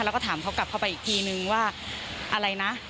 แล้วก็ถามเขากลับเข้าไปอีกทีนึงว่าอะไรนะ